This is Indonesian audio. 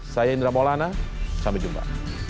saya indra maulana sampai jumpa